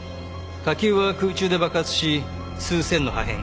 火球は空中で爆発し数千の破片